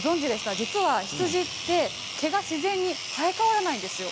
実は羊は毛が自然に生え変わらないんですよ。